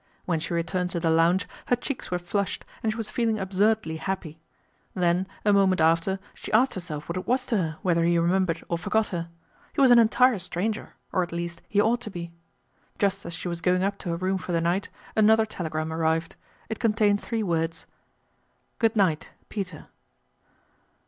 When she returned to the lounge her cheeks ;vere flushed, and she was feeling absurdly happy, fhen a moment after she asked herself what it was :o her whether he remembered or forgot her. He an entire stranger or at least he ought to be. Just as she was going up to her room for the light, another telegram arrived. It contained :hree words :" Good night peter."